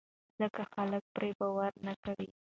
ځکه خلک پرې باور نه کاوه.